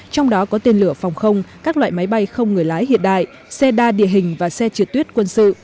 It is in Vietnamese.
trong đó có tên lửa phòng không các loại máy bay không người lái hiện đại xe đa địa hình và xe trượt tuyết quân sự